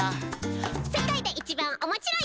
「世界で一番おもしろい」